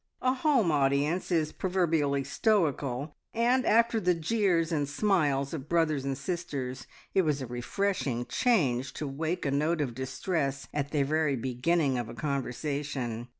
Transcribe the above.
A home audience is proverbially stoical, and after the jeers and smiles of brothers and sisters, it was a refreshing change to wake a note of distress at the very beginning of a conversation.